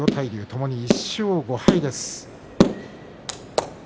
ともに１勝５敗です。